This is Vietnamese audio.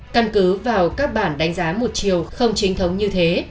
căn cứ vào các bản đánh giá một chiều không chính thống như thế